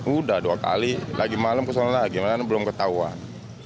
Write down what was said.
udah dua kali lagi malam keselan lagi malam ini belum ketahuan